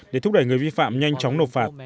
để thúc đẩy người vi phạm nhanh chóng nộp phạt